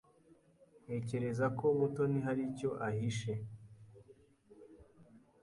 Ntekereza ko Mutoni hari icyo ahishe.